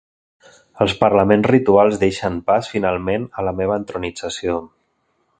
Els parlaments rituals deixen pas finalment a la meva entronització.